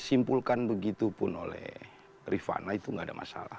mau disimpulkan begitu pun oleh rifana itu gak ada masalah